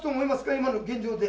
今の現状で。